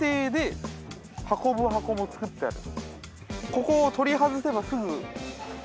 ここを取り外せば。